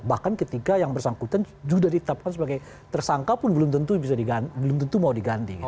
bahkan ketika yang bersangkutan juga ditetapkan sebagai tersangka pun belum tentu bisa diganti belum tentu mau diganti gitu